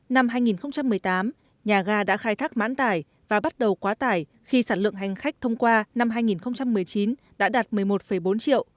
năm hai nghìn một mươi tám nhà ga đã khai thác mãn tải và bắt đầu quá tải khi sản lượng hành khách thông qua năm hai nghìn một mươi chín đã đạt một mươi một bốn triệu